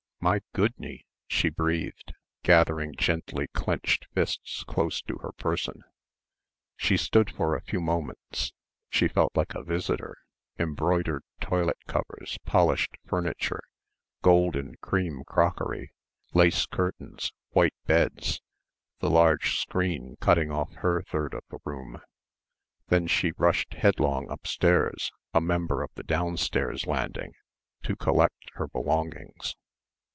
"My goodney," she breathed, gathering gently clenched fists close to her person. She stood for a few moments; she felt like a visitor ... embroidered toilet covers, polished furniture, gold and cream crockery, lace curtains, white beds, the large screen cutting off her third of the room ... then she rushed headlong upstairs, a member of the downstairs landing, to collect her belongings.